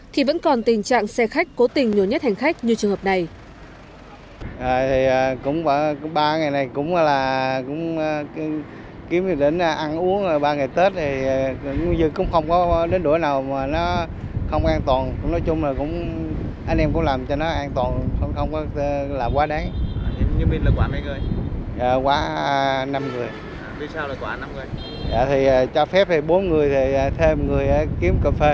thì vẫn còn tình trạng xe khách cố tình nhổ nhất hành khách như trường hợp này